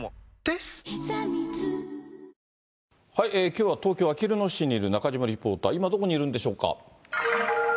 きょうは東京・あきる野市にいる中島リポーター、今、どこにいるんでしょうか。